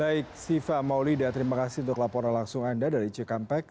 baik siva maulida terima kasih untuk laporan langsung anda dari cikampek